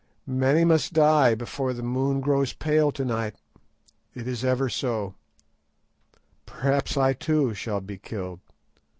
Many must die before the moon grows pale to night. It is ever so. Perhaps I too shall be killed.